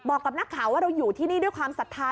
บอกกับนักข่าวว่าเราอยู่ที่นี่ด้วยความศรัทธา